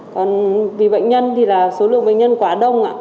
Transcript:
còn vì bệnh nhân thì là số lượng bệnh nhân quá đông ạ